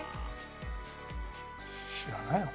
知らないよ。